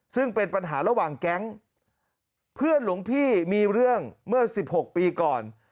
ซึ่งเป็นปัญหาระหว่างแก๊งเพื่อนหลวงพี่มีเรื่องเมื่อ๑๖ปีก่อน